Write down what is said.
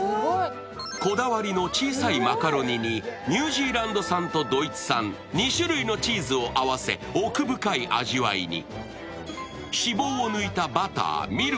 こだわりの小さいマカロニにニュージーランド産とドイツ産、２種類のチーズを合わせ奥深い味わいに。